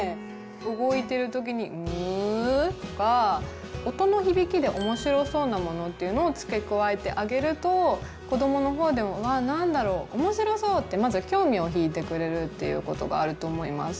動いてる時にうっとか音の響きでおもしろそうなものっていうのを付け加えてあげると子どもの方でもうわぁ何だろうおもしろそうってまず興味を引いてくれるっていうことがあると思います。